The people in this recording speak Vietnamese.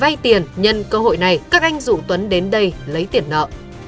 vay tiền nhân cơ hội này các anh rủ tuấn đến đây lấy tiền nợ